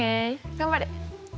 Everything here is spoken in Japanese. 頑張れ。